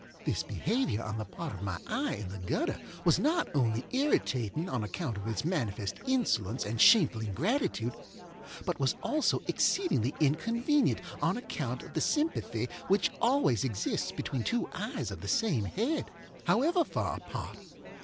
This behavior on the part of my eye in the gutter was not only irritating on account of its manifest insolence and shameful ingratitude, but was also exceedingly inconvenient on account of the sympathy which always exists between two eyes of the same head, however far apart.